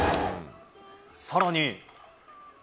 さらに。